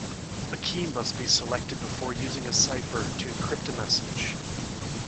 A key must be selected before using a cipher to encrypt a message.